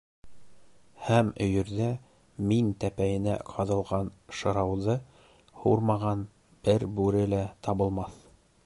Һәм өйөрҙә мин тәпәйенә ҡаҙалған шырауҙы һурмаған бер бүре лә табылмаҫ.